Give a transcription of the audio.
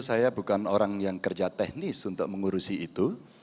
saya bukan orang yang kerja teknis untuk mengurusi itu